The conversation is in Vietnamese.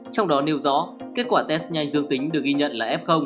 trong đó nêu rõ kết quả test nhanh dương tính được ghi nhận là f